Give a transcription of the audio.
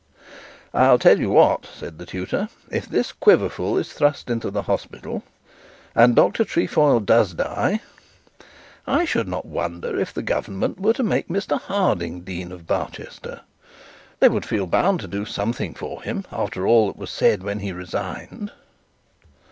'I'll tell you what,' said the tutor, 'if this Quiverful is thrust into the hospital and Dr Trefoil must die, I should not wonder if the Government were to make Mr Harding Dean of Barchester. They would feel bound to do something for him after all that was said when he resigned.'